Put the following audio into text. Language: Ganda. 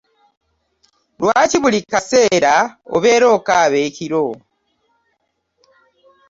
Lwaki buli kaseera obeera okaaba ekiro.